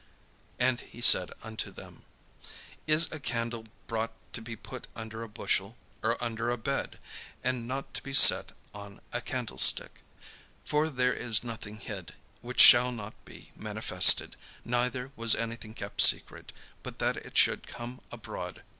And he said unto them: "Is a candle brought to be put under a bushel, or under a bed? and not to be set on a candlestick? For there is nothing hid, which shall not be manifested; neither was anything kept secret, but that it should come abroad.